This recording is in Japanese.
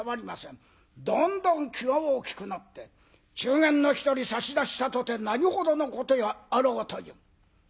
どんどん気が大きくなって中間の１人差し出したとて何ほどのことやあろうという。